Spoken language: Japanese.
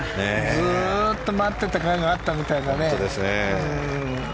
ずっと待ってたかいがあったみたいなね。